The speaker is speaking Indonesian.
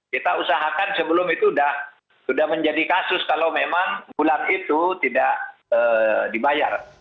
kita usahakan sebelum itu sudah menjadi kasus kalau memang bulan itu tidak dibayar